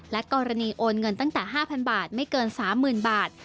กรณีโอนเงินตั้งแต่๕๐๐บาทไม่เกิน๓๐๐๐บาท